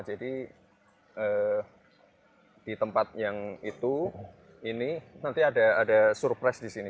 jadi di tempat yang itu ini nanti ada surprise di sini